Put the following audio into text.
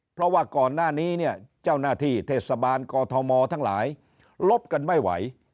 เพราะว่าก่อนหน้านี้เนี่ยเจ้าหน้าที่เทศบาลกอทมทั้งหลายลบกันไม่ไหว